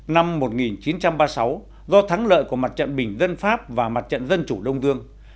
năm một nghìn chín trăm ba mươi sáu do thắng lợi của đảng cộng sản đông dương ra đời năm một nghìn chín trăm ba mươi